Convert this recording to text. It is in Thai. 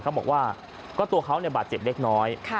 เขาบอกว่าก็ตัวเขาเนี้ยบาทเจ็บเล็กน้อยค่ะ